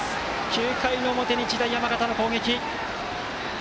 ９回の表、日大山形の攻撃。